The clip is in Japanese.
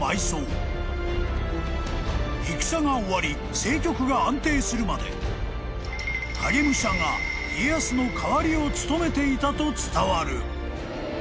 ［戦が終わり政局が安定するまで影武者が家康の代わりを務めていたと伝わる］